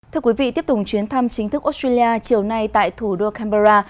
thưa quý vị tiếp tục chuyến thăm chính thức australia chiều nay tại thủ đô canberra